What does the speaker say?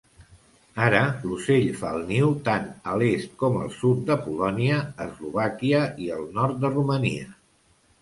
Ara l'ocell fa el niu tan a l'est com el sud de Polònia, Eslovàquia i el nord de Romania.